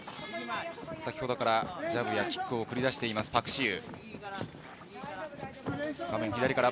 先ほどからジャブやキックを繰り出しているパク・シウ。